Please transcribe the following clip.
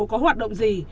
có hoạt động gì